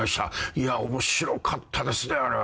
いや面白かったですねあれは。